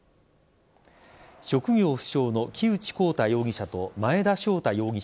職業不詳の木内耕太容疑者と前田翔太容疑者